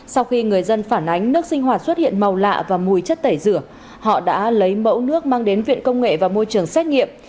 sau khi người dân phản ánh nước sinh hoạt xuất hiện màu lạ và mùi chất tẩy rửa họ đã lấy mẫu nước mang đến viện công nghệ và môi trường xét nghiệm